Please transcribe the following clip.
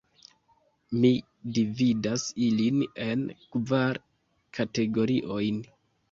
Mi dividas ilin en kvar kategoriojn.